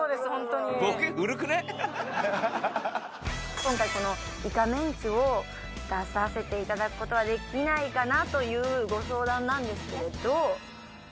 今回このいかめんちを出させて頂く事はできないかなというご相談なんですけれど。